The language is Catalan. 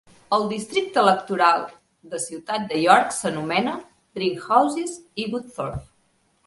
El districte electoral de Ciutat de York s'anomena Dringhouses i Woodthorpe.